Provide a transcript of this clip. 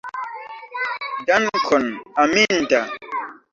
Dankon, Aminda!